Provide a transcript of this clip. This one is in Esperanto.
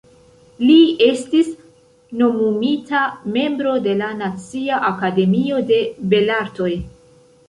Li estis nomumita membro de la Nacia Akademio de Belartoj.